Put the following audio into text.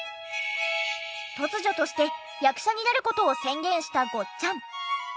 突如として役者になる事を宣言したごっちゃん。